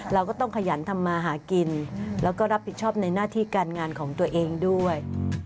เราก็ต้องขยันทำมาหากินแล้วก็รับผิดชอบในหน้าที่การงานของตัวเองด้วย